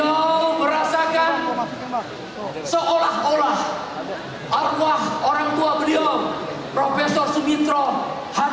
untuk meluruskan jalan yang telah berlalu yang tidak lulus lagi